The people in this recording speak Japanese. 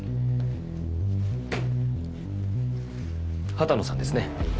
波多野さんですね。